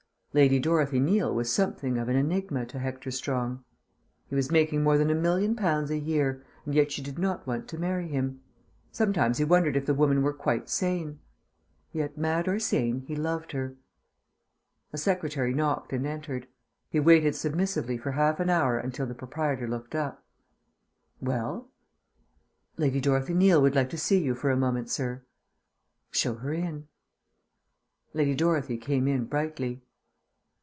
Lady Dorothy Neal was something of an enigma to Hector Strong. He was making more than a million pounds a year, and yet she did not want to marry him. Sometimes he wondered if the woman were quite sane. Yet, mad or sane, he loved her. A secretary knocked and entered. He waited submissively for half an hour until the Proprietor looked up. "Well?" "Lady Dorothy Neal would like to see you for a moment, sir." "Show her in." Lady Dorothy came in brightly.